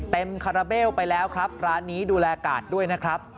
คาราเบลไปแล้วครับร้านนี้ดูแลกาศด้วยนะครับ